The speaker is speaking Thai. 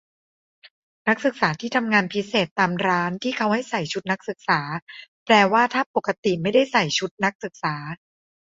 นักศึกษาที่ทำงานพิเศษตามร้านที่เขาให้ใส่ชุดนักศึกษา แปลว่าถ้าปกติไม่ได้ใส่ชุดนักศึกษา